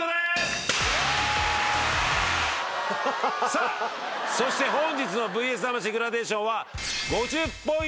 さあそして本日の『ＶＳ魂』グラデーションは。